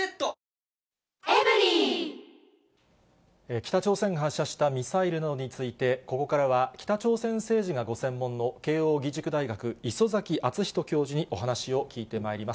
北朝鮮が発射したミサイルなどについて、ここからは北朝鮮政治がご専門の、慶応義塾大学、礒崎敦仁教授にお話を聞いてまいります。